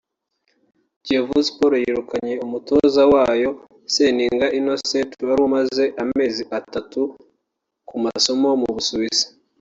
Kiyovu Sports yirukanye umutoza wayo Seninga Innocent wari umaze amezi atatu ku masomo mu Busuwisi